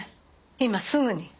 今すぐに。